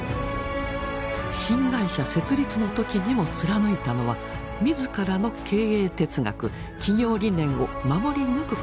新会社設立の時にも貫いたのは自らの経営哲学企業理念を守り抜くことでした。